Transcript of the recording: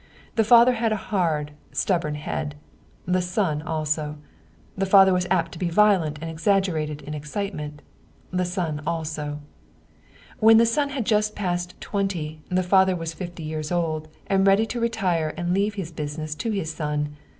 The father had a hard, stubborn head ; the son also. The father was apt to be violent and exaggerated in excitement; the son also. When the son had just passed twenty, the father was fifty years old, and ready to retire and to leave his business to his son.